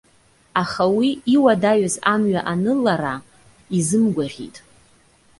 Аха уи, иуадаҩыз амҩа анылара изымгәаӷьит.